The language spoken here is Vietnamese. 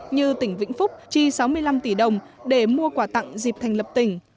như tỉnh vĩnh phúc chi sáu mươi năm tỷ đồng để mua quà tặng dịp thành lập tỉnh